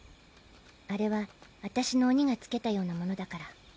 あれは私の鬼がつけたようなものだから。